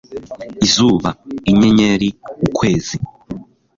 izuba, inyenyeri, ukwezi